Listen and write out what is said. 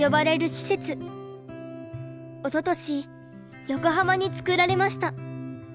おととし横浜に作られました。